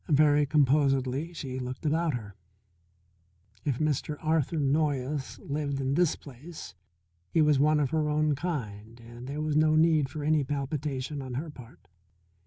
Very composedly she looked about her. If Mr. Arthur Noyes lived in this place, he was one of her own kind and there was no need for any palpitation on her part.